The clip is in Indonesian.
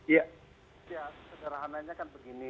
ya secara anehnya kan begini